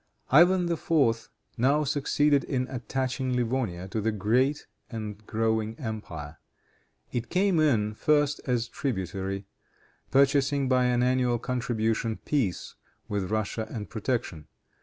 Ivan IV. now succeeded in attaching Livonia to the great and growing empire. It came in first as tributary, purchasing, by an annual contribution, peace with Russia and protection.